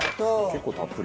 結構たっぷり。